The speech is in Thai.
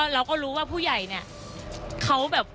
เราก็รู้ว่าผู้ใหญ่เนี่ย